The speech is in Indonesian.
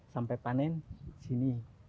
sampai panen di sini